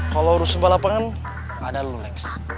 kalau rusak balapan ada lu lex